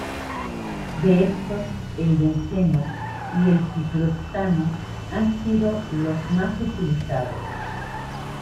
De estos, el benceno y el ciclohexano han sido los más utilizados.